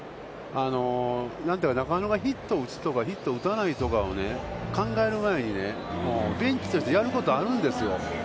中野がヒットを打つとか打たないとかを考える前にね、ベンチとしてやることがあるんですよ。